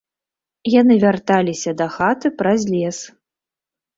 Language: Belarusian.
Яны вярталіся дахаты праз лес.